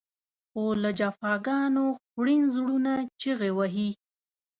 خو له جفاګانو خوړین زړونه چغې وهي.